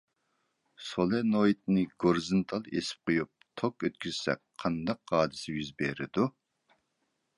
سولېنوئىدنى گورىزونتال ئېسىپ قويۇپ توك ئۆتكۈزسەك قانداق ھادىسە يۈز بېرىدۇ؟